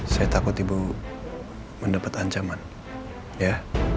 saya takut ibu mendapat ancaman ya